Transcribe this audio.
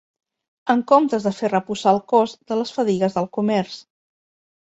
En comptes de fer reposar el cos de les fadigues del comerç